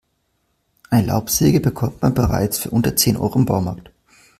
Eine Laubsäge bekommt man bereits für unter zehn Euro im Baumarkt.